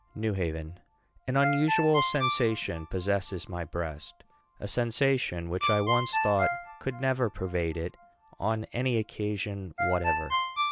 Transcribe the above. NEW HAVEN An unusual sensation possesses my breast a sensation which I once thought could never pervade it on any occasion whatever.